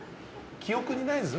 記憶にないですね